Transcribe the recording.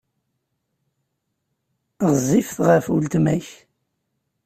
Ɣezzifet ɣef weltma-k.